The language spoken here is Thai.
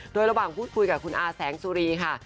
โดยระหว่างพูดคุยกับคุณอาแสงสุรีค่ะ